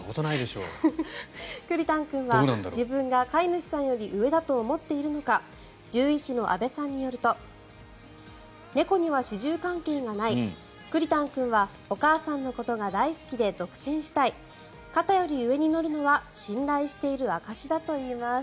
くりたん君は自分が飼い主さんより上だと思っているのか獣医師の阿部さんによると猫には主従関係がないくりたん君はお母さんのことが大好きで独占したい肩より上に乗るのは信頼している証しだといいます。